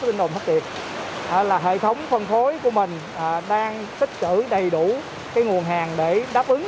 linh đồn phát tiệt hệ thống phân phối của mình đang tích cử đầy đủ cái nguồn hàng để đáp ứng